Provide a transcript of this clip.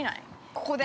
◆ここで？